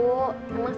kok sendiri panggil bu